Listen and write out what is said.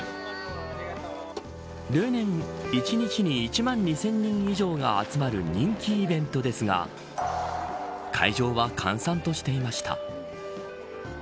例年、１日に１万２０００人以上が集まる人気イベントですが会場は閑散としていました。